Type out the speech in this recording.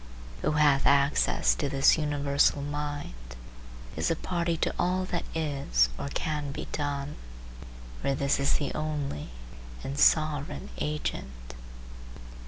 Who hath access to this universal mind is a party to all that is or can be done, for this is the only and sovereign agent.